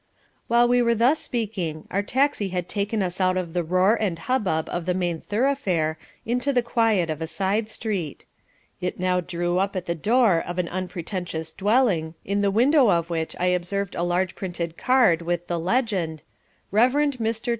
'" While we were thus speaking our taxi had taken us out of the roar and hubbub of the main thoroughfare into the quiet of a side street. It now drew up at the door of an unpretentious dwelling in the window of which I observed a large printed card with the legend REVEREND MR.